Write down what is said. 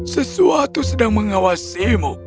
sesuatu sedang mengawasimu